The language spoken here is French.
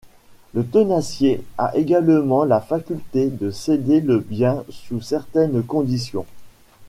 Le tenancier a également la faculté de céder le bien sous certaines conditions.